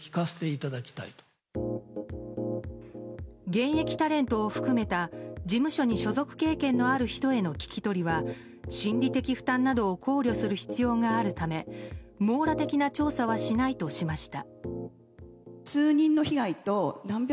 現役タレントを含めた事務所に所属経験のある人への聞き取りは心理的負担などを考慮する必要があるため網羅的な調査はしないとしました。